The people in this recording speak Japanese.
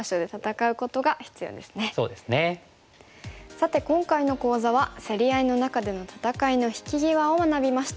さて今回の講座は競り合いの中での戦いの引き際を学びました。